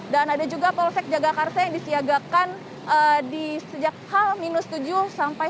dan ada juga polsek jaga karsa yang disiagakan di sejak hal minus tujuh sampai